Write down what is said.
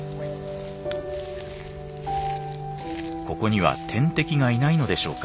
ここには天敵がいないのでしょうか。